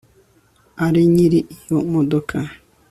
ari nyiri iyo modoka